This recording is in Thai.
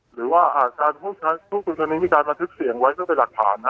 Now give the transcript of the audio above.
หรือว่าอ่าการพูดพูดกันนี้มีการมาทึกเสียงไว้เพื่อไปหลักผ่านนะ